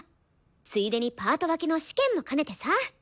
ついでにパート分けの試験も兼ねてさ！